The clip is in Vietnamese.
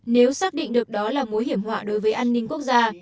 nếu xác định được đó là mối hiểm họa đối với an ninh quốc gia